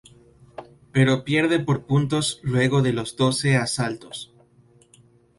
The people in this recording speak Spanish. Pero pierde por puntos luego de los doce asaltos.